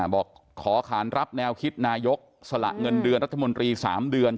บอกขอขานรับแนวคิดนายกสละเงินเดือนรัฐมนตรี๓เดือน